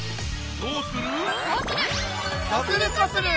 どうする？